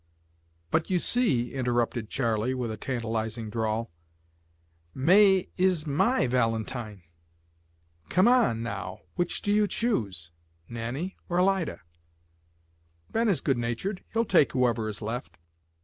"But you see," interrupted Charley, with a tantalising drawl, "May is my valentine. Come on, now, which do you choose Nannie or Alida? Ben is good natured; he'll take whoever is left."